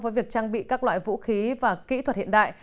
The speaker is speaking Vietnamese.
với việc trang bị các loại vũ khí và kỹ thuật hiện đại